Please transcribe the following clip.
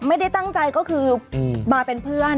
ไม่ได้ตั้งใจก็คือมาเป็นเพื่อน